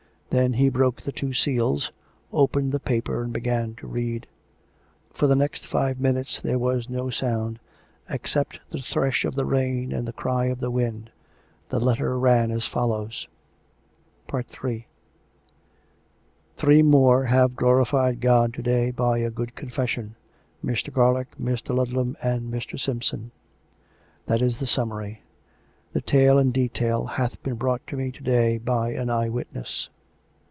Then he broke the two seals, opened the paper and began to read. For the next five minutes there was no sound, except the thresh of the rain and the cry of the wind. The letter ran as follows: III " Three more have glorified God to day by a good con fession — Mr. Garlick, Mr. Ludlam and Mr. Simpson. That 406 COME RACK! COME ROPE! is the summary. The tale in detail hath been brought to me to day by an eye witness.